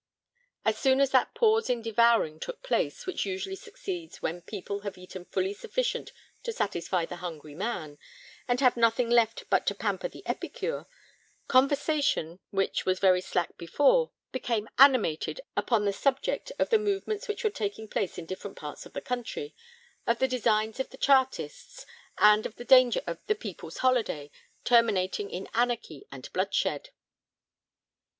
As soon as that pause in devouring took place, which usually succeeds when people have eaten fully sufficient to satisfy the hungry man, and have nothing left but to pamper the epicure, conversation, which was very slack before, became animated upon the subject of the movements which were taking place in different parts of the country, of the designs of the Chartists, and of the danger of 'the people's holiday' terminating in anarchy and bloodshed.